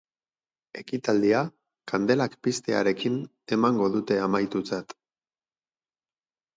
Ekitaldia, kandelak piztearekin emango dute amaitutzat.